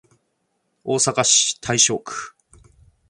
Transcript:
大阪市大正区